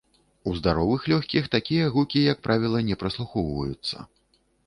У здаровых лёгкіх такія гукі, як правіла, не праслухоўваюцца.